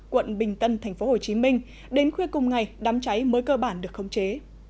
quận bình tân tp hcm đến khuya cùng ngày đám cháy mới cơ bản được khống chế